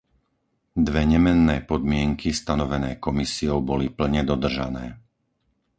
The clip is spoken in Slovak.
Dve nemenné podmienky stanovené Komisiou boli plne dodržané.